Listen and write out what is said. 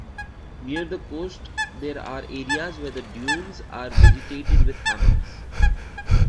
Near the coast there are areas where the dunes are vegetated with hammocks.